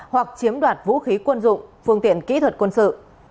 hoặc chiếm đoạt vũ khí quân dụng phương tiện kỹ thuật quân sự